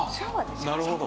なるほど。